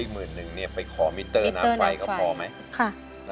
หรืออีก๑๐๐๐๐บาทไปขอมิเตอร์น้ำไฟก็พอไหม